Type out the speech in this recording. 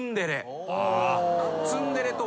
ツンデレとは。